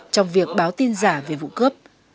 trong việc báo tin giả về vụ cướp